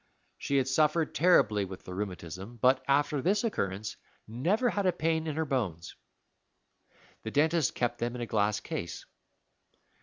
She had suffered terribly with the rheumatism, but after this occurrence never had a pain in her bones. The dentist kept them in a glass case.